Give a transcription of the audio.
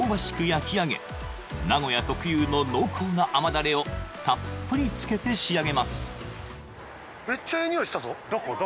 焼き上げ名古屋特有の濃厚な甘ダレをたっぷりつけて仕上げます